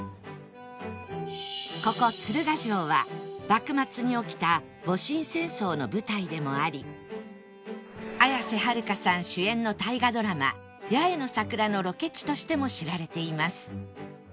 ここ鶴ヶ城は幕末に起きた戊辰戦争の舞台でもあり綾瀬はるかさん主演の大河ドラマ『八重の桜』のロケ地としても知られています